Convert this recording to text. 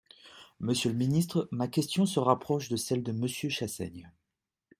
Monsieur le ministre, ma question se rapproche de celle de Monsieur Chassaigne.